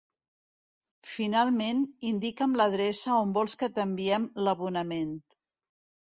Finalment, indica'm l'adreça on vols que t'enviem l'abonament.